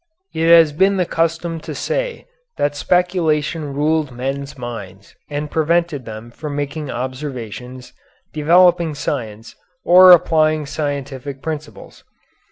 It has been the custom to say that speculation ruled men's minds and prevented them from making observations, developing science, or applying scientific principles.